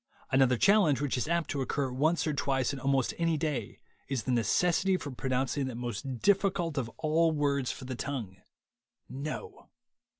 Another challenge which is apt to occur once or twice on almost any day is the necessity for pro nouncing that most difficult of all words for the tongue — No.